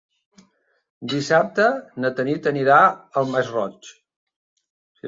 Dissabte na Tanit anirà al Masroig.